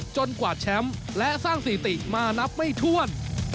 กวาดแชมป์และสร้างสถิติมานับไม่ถ้วน